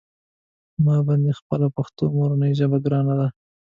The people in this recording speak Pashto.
په ما باندې خپله پښتو مورنۍ ژبه ګرانه ده.